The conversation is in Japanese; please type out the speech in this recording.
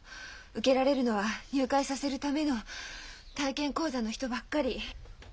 受けられるのは入会させるための体験講座の人ばっかり。